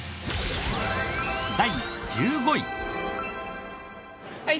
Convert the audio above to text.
第１５位。